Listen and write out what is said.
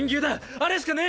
あれしかねえ！